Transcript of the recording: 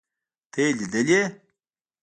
ته يې ليدلې.